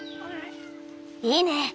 いいね。